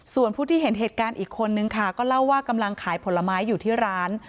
ส่วนผู้ที่เห็นเหตุการณ์อีกคนนึงค่ะก็เล่าว่ากำลังขายผลไม้อยู่ที่ร้าน